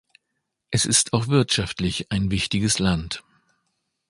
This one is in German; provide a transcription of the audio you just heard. Es ist auch wirtschaftlich ein wichtiges Land.